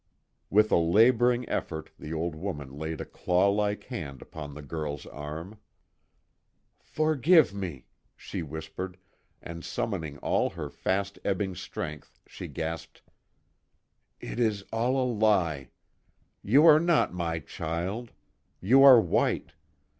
With a laboring effort the old woman laid a clawlike hand upon the girl's arm: "Forgive me," she whispered, and summoning all her fast ebbing strength she gasped: "It is all a lie. You are not my child. You are white.